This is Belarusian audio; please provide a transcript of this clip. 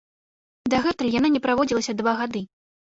Дагэтуль яна не праводзілася два гады.